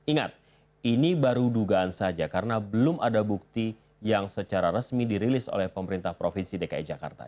ingat ini baru dugaan saja karena belum ada bukti yang secara resmi dirilis oleh pemerintah provinsi dki jakarta